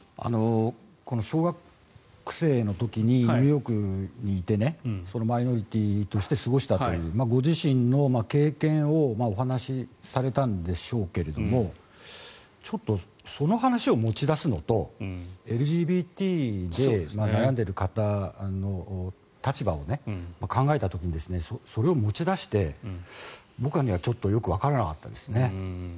小学生の時にニューヨークにいてマイノリティーとして過ごしたというご自身の経験をお話しされたんでしょうけれどもちょっとその話を持ち出すのとＬＧＢＴで悩んでいる方の立場を考えた時にそれを持ち出して僕にはちょっとよくわからなかったですね。